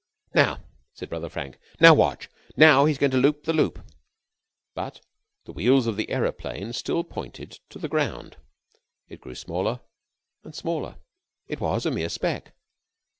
"Now," said Brother Frank. "Now watch. Now he's going to loop the loop." But the wheels of the aeroplane still pointed to the ground. It grew smaller and smaller. It was a mere speck.